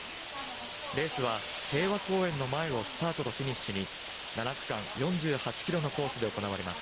レースは平和公園の前をスタートとフィニッシュに７区間４８キロのコースで行われます。